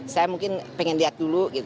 saya mungkin pengen lihat dulu